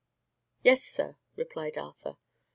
"Yes, sir," replied Arthur.